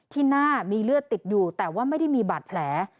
ที่หน้ามีเลือดติดอยู่แต่ว่าไม่ได้มีบาดแผล